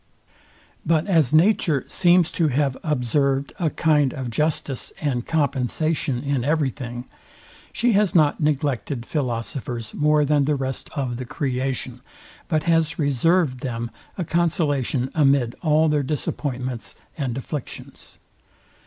But as nature seems to have observed a kind of justice and compensation in every thing, she has not neglected philosophers more than the rest of the creation; but has reserved them a consolation amid all their disappointments and afflictions.